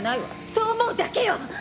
そう思うだけよ！